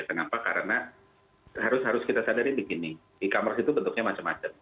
kenapa karena harus kita sadari begini e commerce itu bentuknya macam macam